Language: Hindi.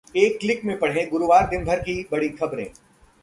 एक क्लिक में पढ़ें गुरुवार दिन भर की बड़ी खबरें